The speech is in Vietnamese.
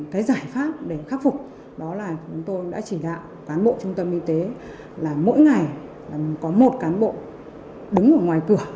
cái giải pháp để khắc phục đó là chúng tôi đã chỉ đạo cán bộ trung tâm y tế là mỗi ngày có một cán bộ đứng ở ngoài cửa